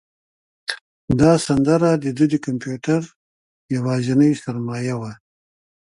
دا سندره د ده د کمپیوټر یوازینۍ سرمایه وه.